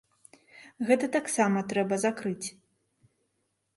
Гэта таксама трэба закрыць.